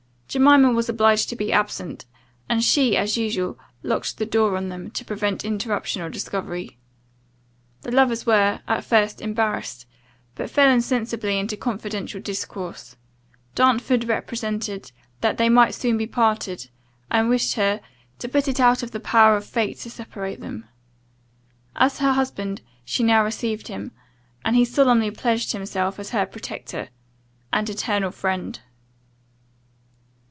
Jemima was obliged to be absent, and she, as usual, locked the door on them, to prevent interruption or discovery. The lovers were, at first, embarrassed; but fell insensibly into confidential discourse. Darnford represented, "that they might soon be parted," and wished her "to put it out of the power of fate to separate them." As her husband she now received him, and he solemnly pledged himself as her protector and eternal friend.